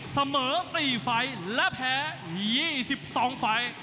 เสมอ๔ไฟล์และแพ้๒๒ไฟล์